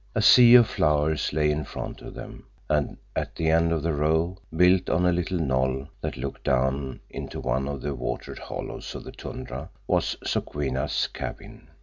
A sea of flowers lay in front of them, and at the end of the row, built on a little knoll that looked down into one of the watered hollows of the tundra, was Sokwenna's cabin.